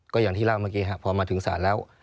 ก็อย่างที่เล่าเมื่อกี้ครับพอมาถึงศาลแล้ว